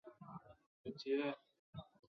市民大会通常是精心安排好的活动。